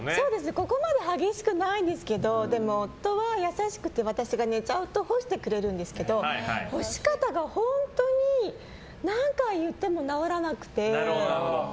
ここまで激しくないですけどでも夫は優しくて私が寝ちゃうと干してくれるんですけど干し方が本当に何回言っても直らなくて。